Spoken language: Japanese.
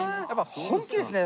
本気ですね。